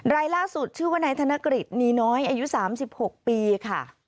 รายล่าสุดชื่อว่านายธนกฤษนีน้อยอายุ๓๖ปีค่ะ